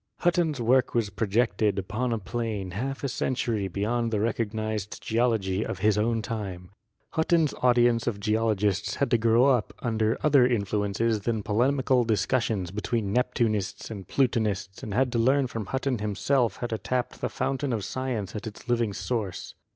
Hutton's work was projected upon a plane half a century beyond the recognised geology of his own time. Hutton's audience of geologists had to grow up under other influences than polemical discussions between Neptunists and Plutonists 60 GEOLOGY and had to learn from Hutton himself how to tap the foun tain of science at its living source.